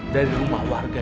dari rumah warga